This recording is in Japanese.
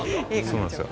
そうなんです。